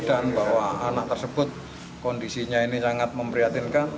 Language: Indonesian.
dan bahwa anak tersebut kondisinya ini sangat memprihatinkan